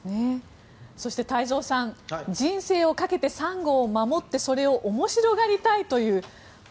そして、太蔵さん人生をかけてサンゴを守ってそれを面白がりたいという。